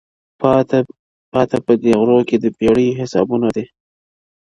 پاته په دې غرو کي د پېړیو حسابونه دي-